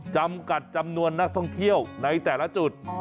จำกัดจำนวนนักท่องเที่ยวในแต่ละจุด